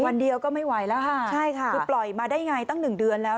วันเดียวก็ไม่ไหวแล้วค่ะคือปล่อยมาได้ไงตั้ง๑เดือนแล้ว